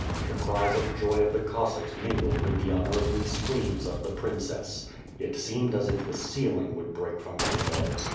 The cries of joy of the Cossacks mingled with the unearthly screams of the princess. It seemed as if the ceiling would break from the noise.